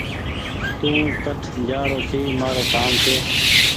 تو ڪٺ جآرو ڇي مآرو ڪآم ڇي